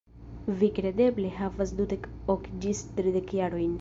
Vi kredeble havas dudek ok ĝis tridek jarojn.